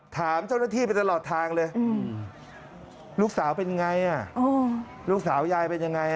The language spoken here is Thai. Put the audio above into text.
ถามเจ้าหน้าที่ไปตลอดทางเลยลูกสาวเป็นไงลูกสาวยายเป็นยังไง